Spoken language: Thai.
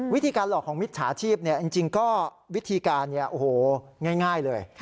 วิธีการหลอกของมิจฉาชีพจริงก็วิธีการง่ายเลย